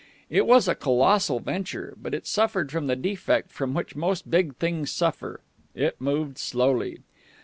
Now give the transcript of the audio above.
It was a colossal venture, but it suffered from the defect from which most big things suffer; it moved slowly.